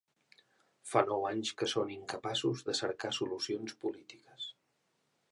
Fa nou anys que són incapaços de cercar soluciona polítiques.